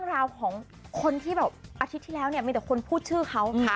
ราวของคนที่แบบอาทิตย์ที่แล้วเนี่ยมีแต่คนพูดชื่อเขา